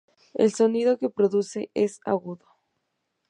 El sonido que produce es agudo.